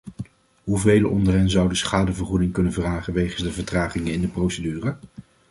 Hoe velen onder hen zouden schadevergoeding kunnen vragen wegens de vertragingen in de procedure?